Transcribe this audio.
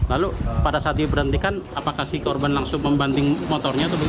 lalu pada saat diberhentikan apakah si korban langsung membanting motornya atau bagaimana